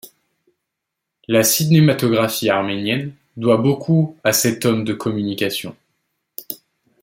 La cinématographie arménienne doit beaucoup à cet homme de communication.